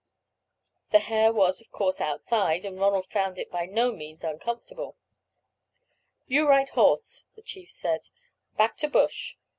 The hair was, of course, outside, and Ronald found it by no means uncomfortable. "You ride horse," the chief said, "back to bush.